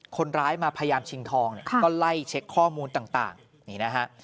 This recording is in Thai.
คนร้ายมาพยายามชิงทองเนี่ยก็ไล่เช็คข้อมูลต่างนี่นะฮะ